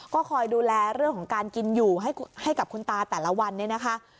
ก็คอยดูแลเรื่องของการกินอยู่ให้กับคุณตาแต่ละวันเนี่ยนะคะ